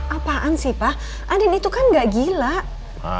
apaan sih pak adin itu kan gak gila